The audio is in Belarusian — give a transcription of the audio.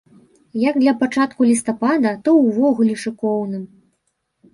Як для пачатку лістапада, то ўвогуле шыкоўным.